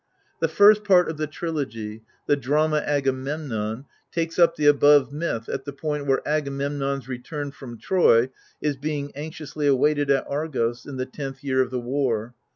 The first part of the Trilogy, the drama Agamemnon, takes up the above myth at the point where Agamemnon's return from Troy is being anxiously awaited at Argos, in the tenth year of the war.